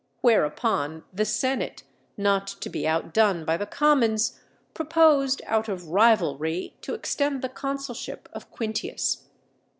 Whereupon, the senate, not to be outdone by the commons, proposed, out of rivalry, to extend the consulship of Quintius.